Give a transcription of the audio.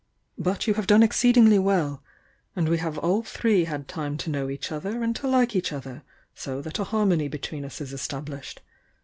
But you have done exceedingly well, — and we have all three had time to know each other and to like each other, so that a harmony between us is estab lished.